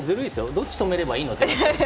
どっち止めればいいの？って感じだし。